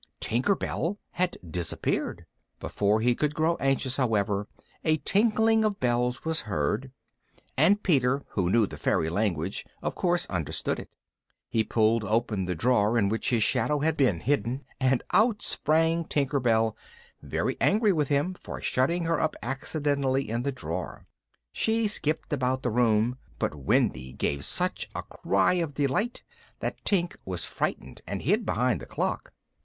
Tinker Bell had disappeared! Before he could grow anxious, however, a tinkling of bells was heard, and Peter, who knew the fairy language, of course understood it. He pulled open the drawer in which his shadow had been hidden, and out sprang Tinker Bell, very angry with him for shutting her up accidentally in the drawer. She skipped about the room, but Wendy gave such a cry of delight that Tink was frightened and hid behind the clock.